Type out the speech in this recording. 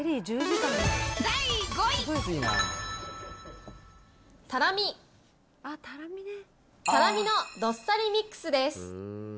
第５位。たらみ、たらみのどっさりミックスです。